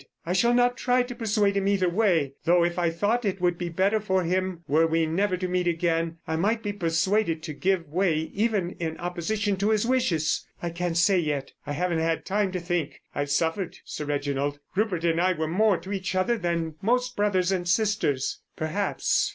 I shall not try to persuade him either way, though if I thought it would be better for him were we never to meet again, I might be persuaded to give way even in opposition to his wishes. I can't say yet. I haven't had time to think.... I've suffered, Sir Reginald. Rupert and I were more to each other than most brothers and sisters, perhaps.